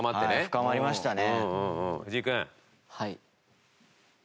深まりましたね。